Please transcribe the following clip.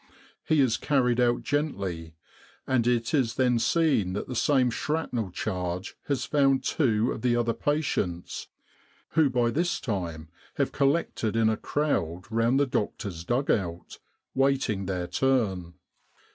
He is carried out gently, and it is then seen that the same shrapnel charge has found two of the other patients, who by this time have collected in a crowd round the doctor's dug out, waiting their turn.